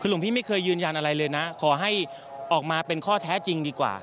หลวงพี่ไม่เคยยืนยันอะไรเลยนะขอให้ออกมาเป็นข้อเท็จจริงดีกว่า